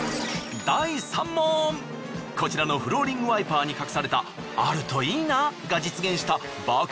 第３問こちらのフローリングワイパーに隠されたあるといいなが実現した爆